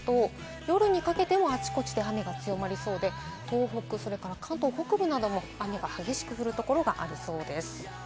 夜にかけてもあちこちで雨が強まりそうで、東北、それから関東北部なども雨が激しく降るところがありそうです。